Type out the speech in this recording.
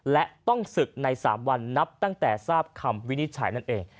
และต้องศึกใน๓วันนับตั้งแต่ทราบคำวินิจฉัยนั่นเอง